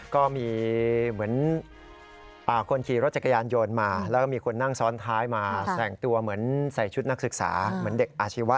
ก็มีเหมือนคนขี่รถจักรยานโยนมาแล้วก็มีคนนั่งซ้อนท้ายมาแต่งตัวเหมือนใส่ชุดนักศึกษาเหมือนเด็กอาชีวะ